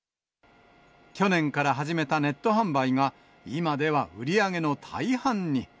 去年から始めたネット販売が、今では売り上げの大半に。